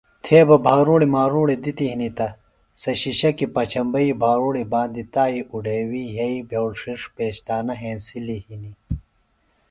تھے بہ بھاروڑیۡ ماروڑیۡ دِتیۡ ہنیۡ تہ شِشکیۡ پچھمبئی بھاروڑیۡ باندیۡ تائیۡ اُڈھیوِیۡ یھئیۡ بھیوڑش پیشتانہ ہینسلیۡ ہنیۡ